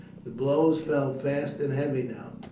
The blows fell fast and heavy now.